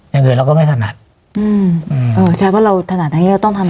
อย่างเกิดเราก็ไม่ถนัดอืมเออใช่ว่าเราถนัดอย่างงี้ก็ต้องทำ